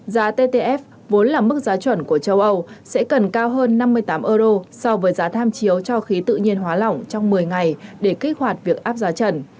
giá ttf vốn là mức giá chuẩn của châu âu sẽ cần cao hơn năm mươi tám euro so với giá tham chiếu cho khí tự nhiên hóa lỏng trong một mươi ngày để kích hoạt việc áp giá trần